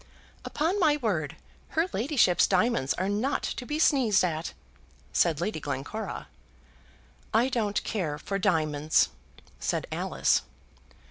"Upon my word, her ladyship's diamonds are not to be sneezed at," said Lady Glencora. "I don't care for diamonds," said Alice.